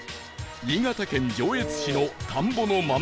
新潟県上越市の田んぼの真ん中に